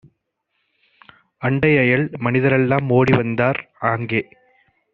அண்டைஅயல் மனிதரெல்லாம் ஓடிவந்தார். ஆங்கே